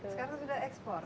sekarang sudah ekspor